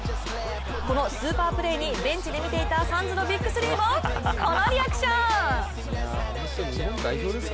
このスーパープレーにベンチで見ていたサンズのビッグスリーもこのリアクション。